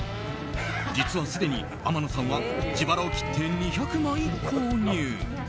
実はすでに天野さんは自腹を切って２００枚購入。